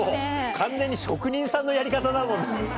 完全に職人さんのやり方だもん。